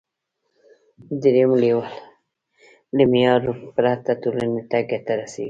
دریم لیول له معیار پرته ټولنې ته ګټه رسوي.